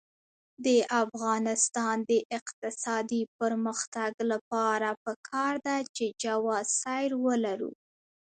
د افغانستان د اقتصادي پرمختګ لپاره پکار ده چې جواز سیر ولرو.